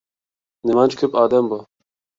نېمانچە كۆپ ئادەم بۇ.